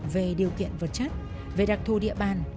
về điều kiện vật chất về đặc thù địa bàn